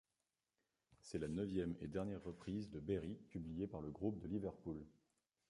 C'est la neuvième et dernière reprise de Berry publiée par le groupe de Liverpool.